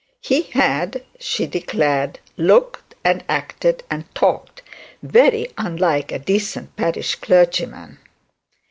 He had, she declared, looked and acted and talked very unlike a decent parish clergyman.